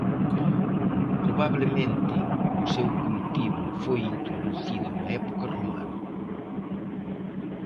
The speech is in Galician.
Probabelmente, o seu cultivo foi introducido na época romana.